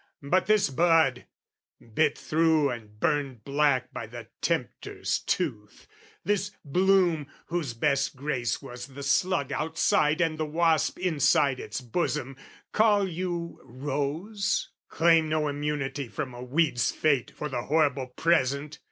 But this bud, Bit through and burned black by the tempter's tooth, This bloom whose best grace was the slug outside And the wasp inside its bosom, call you "rose?" Claim no immunity from a weed's fate For the horrible present!